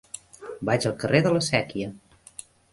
Vaig al carrer de la Sèquia.